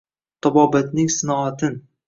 Tabobatning sinoatin.